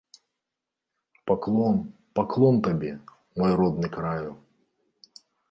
Паклон, паклон табе, мой родны краю!